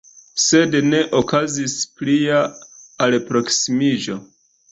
Sed ne okazis plia alproksimiĝo.